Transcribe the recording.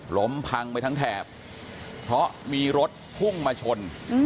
ล้มพังไปทั้งแถบเพราะมีรถพุ่งมาชน